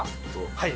はい。